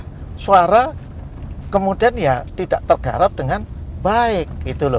karena suara kemudian ya tidak tergarap dengan baik